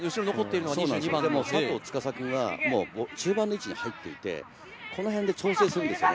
佐藤吏君は中盤の位置に入っていって、このへんで調整するんですよね。